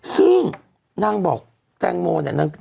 ซึ่งนางบอกแตงโมเนี่ย